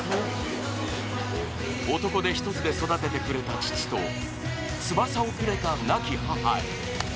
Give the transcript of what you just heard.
男手一つで育ててくれた父と翼をくれた亡き母へ。